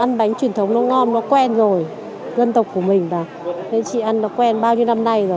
ăn bánh truyền thống nó ngon nó quen rồi dân tộc của mình và nên chị ăn nó quen